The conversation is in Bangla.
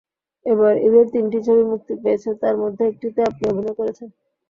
এবার ঈদে তিনটি ছবি মুক্তি পেয়েছে, তার মধ্যে একটিতে আপনি অভিনয় করেছেন।